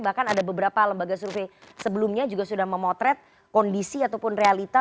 bahkan ada beberapa lembaga survei sebelumnya juga sudah memotret kondisi ataupun realita